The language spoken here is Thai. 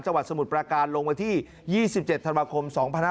จังหวัดสมุทรประการลงมาที่๒๗ธันวาคม๒๕๖๔